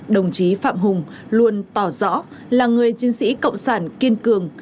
đồng chí phạm hùng luôn tỏ rõ là người chiến sĩ cộng sản kiên cường